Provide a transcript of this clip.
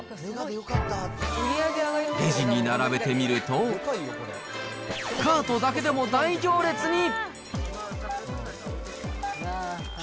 レジに並べてみると、カートだけでも大行列に。